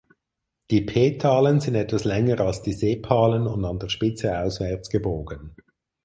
Die Petalen sind etwas länger als die Sepalen und an der Spitze auswärts gebogen.